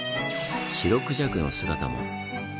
シロクジャクの姿も。